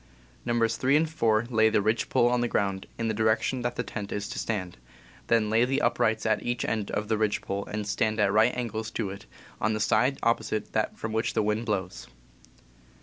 Nos. 3 and 4 lay the ridge pole on the ground, in the direction that the tent is to stand; then lay the up rights at each end of ridge pole and at right angles to it, on the side opposite that from which the wind blows.